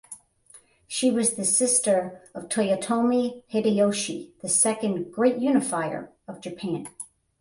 She was the sister of Toyotomi Hideyoshi the second "Great Unifier" of Japan.